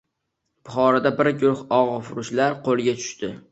Buxoroda bir guruh og‘ufurushlar qo‘lga tushdi